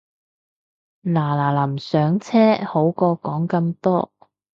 嗱嗱臨上車好過講咁多